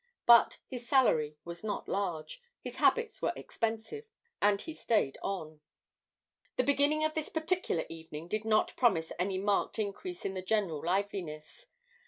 But his salary was not large, his habits were expensive, and he stayed on. The beginning of this particular evening did not promise any marked increase in the general liveliness.